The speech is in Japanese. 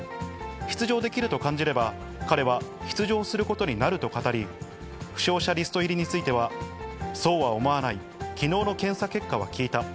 出場できると感じれば、彼は出場することになると語り、負傷者リスト入りについては、そうは思わない、きのうの検査結果は聞いた。